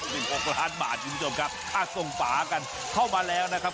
๑๖ล้านบาทถ้าส่งฝากันเข้ามาแล้วนะครับ